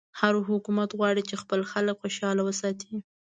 هر حکومت غواړي چې خپل خلک خوشحاله وساتي.